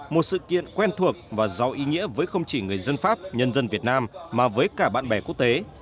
một sự kiện quen thuộc và giàu ý nghĩa với không chỉ người dân pháp nhân dân việt nam mà với cả bạn bè quốc tế